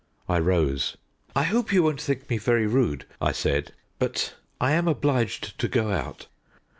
I rose. "I hope you won't think me very rude," I said; "but I am obliged to go out."